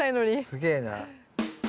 すげえな。